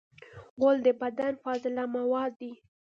غول د بدن فاضله مواد دي.